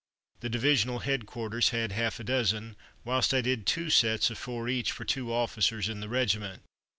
The divisional headquarters had half a dozen; whilst I did two sets of four each for two officers in the regiment.